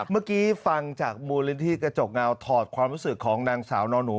เมื่อกี้ฟังจากมูลนิธิกระจกเงาถอดความรู้สึกของนางสาวนอนหนู